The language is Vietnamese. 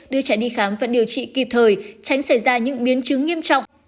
đưa trẻ đi khám và điều trị kịp thời tránh xảy ra những biến chứng nghiêm trọng